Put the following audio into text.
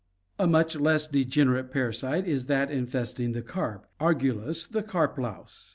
A much less degenerate parasite is that infesting the carp — Argu lus, the carp louse.